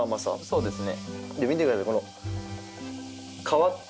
そうですね。